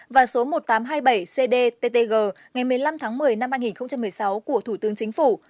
và số một nghìn tám trăm hai mươi bảy cdttg ngày một mươi năm tháng một mươi năm hai nghìn một mươi sáu của thủ tướng chính phủ